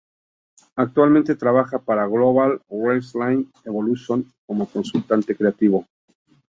Actualmente trabaja para Global Wrestling Evolution, como consultante creativo.